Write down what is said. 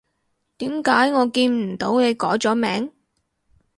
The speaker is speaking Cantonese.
點解我見唔到你改咗名？